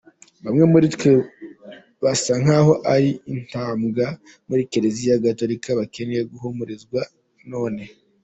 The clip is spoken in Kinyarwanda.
Bamwe muri twe basa nk’aho ari intabwa muri Kiliziya Gatolika bakeneye guhumurizwa none.